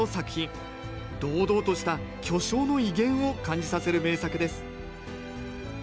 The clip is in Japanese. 堂々とした巨匠の威厳を感じさせる名作です